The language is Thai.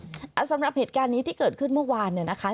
อืมสำหรับเหตุการณ์นี้ที่เกิดขึ้นเมื่อวาน